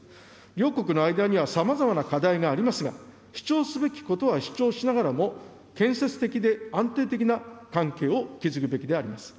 両国の間にはさまざまな課題がありますが、主張すべきことは主張しながらも、建設的で安定的な関係を築くべきであります。